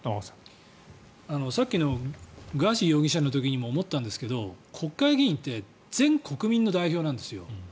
さっきのガーシー容疑者の時にも思ったんですが国会議員って全国民の代表なんですよ。